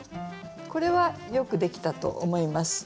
これはよくできたと思います。